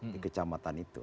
di kecamatan itu